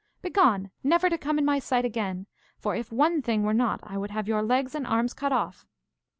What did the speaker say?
Begone, never to come in my sight again; for, if one thing were not, I would have your legs and arms cut off.